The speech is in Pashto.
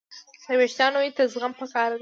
د وېښتیانو ودې ته زغم پکار دی.